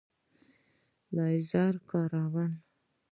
لینز کاروئ؟